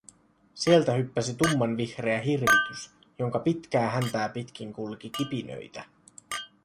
Sieltä hyppäsi tummanvihreä hirvitys, jonka pitkää häntää pitkin kulki kipinöitä.